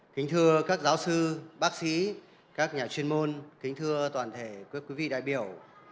kính thưa các giáo sư bác sĩ các nhà chuyên môn kính thưa toàn thể các quý vị đại biểu